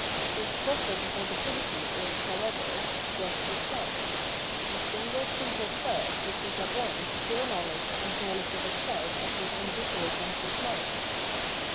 This process of negativity is, however, just the self : a single simple self which is at once pure knowledge and knowledge of itself as this individual conscious life.